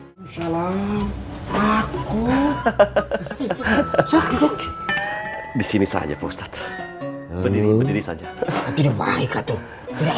hai salam aku hahaha disini saja post op berdiri berdiri saja tidak baik atau tidak